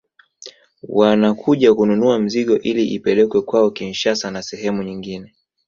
Wanakuja kununua mizigo ili ipelekwe kwao Kinshasa na sehemu nyingine